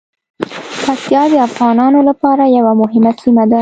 پکتیا د افغانانو لپاره یوه مهمه سیمه ده.